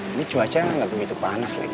ini cuaca nggak begitu panas lagi